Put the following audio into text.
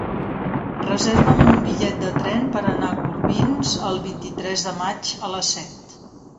Reserva'm un bitllet de tren per anar a Corbins el vint-i-tres de maig a les set.